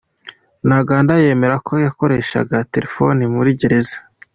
Ntaganda yemera ko yakoreshaga telefoni muri Gereza